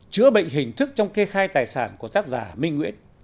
chữa bệnh hình thức trong kê khai tài sản của tác giả minh nguyễn